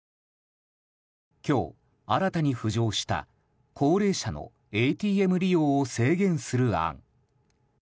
今日、新たに浮上した高齢者のＡＴＭ利用を制限する案。